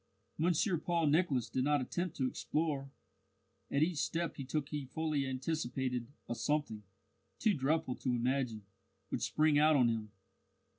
Monsieur Paul Nicholas did not attempt to explore. At each step he took he fully anticipated a something, too dreadful to imagine, would spring out on him.